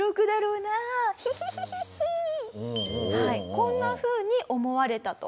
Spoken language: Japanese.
こんなふうに思われたと。